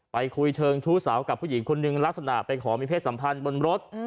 ไปคุยเชิงชู้สาวกับผู้หญิงคนนึงลักษณะไปขอมีเพศสัมพันธ์บนรถ